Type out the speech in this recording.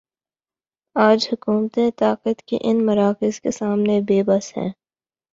آج حکومتیں طاقت کے ان مراکز کے سامنے بے بس ہیں۔